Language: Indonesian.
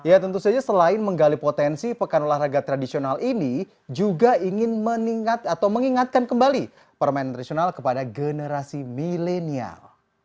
ya tentu saja selain menggali potensi pekan olahraga tradisional ini juga ingin mengingat atau mengingatkan kembali permainan tradisional kepada generasi milenial